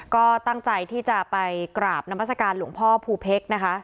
ก็ตั้งใจที่จะไปกราบนามัศกาลหลวงพ่อภูเพชรนะคะ